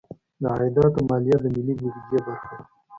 د عایداتو مالیه د ملي بودیجې برخه ده.